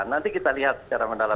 nanti kita lihat secara mendalam